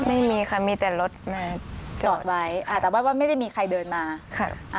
ไม่มีค่ะมีแต่รถมาจอดไว้อ่าแต่ว่าว่าไม่ได้มีใครเดินมาค่ะอ่า